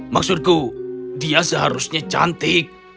maksudku dia seharusnya cantik